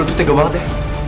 lo berdua tuh tega banget ya